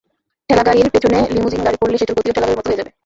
ঠেলাগাড়ির পেছনে লিমোজিন গাড়ি পড়লে সেটির গতিও ঠেলাগাড়ির মতো হয়ে যাবে।